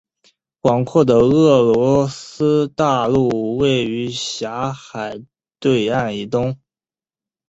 广阔的厄索斯大陆位于狭海对岸以东。